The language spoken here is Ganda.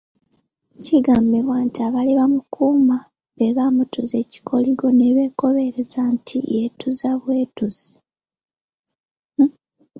Kigambibwa nti abaali bamukuuma be bamutuza ekikoligo ne beekobereza nti yeetuze bwetuzi.